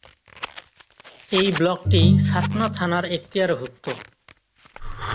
এই ব্লকটি ছাতনা থানার এক্তিয়ারভুক্ত।